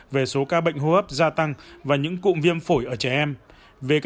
về số ca bệnh hô hấp gia tăng và những cụm viêm phổi ở trẻ em